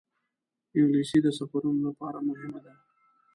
انګلیسي د سفرونو لپاره مهمه ده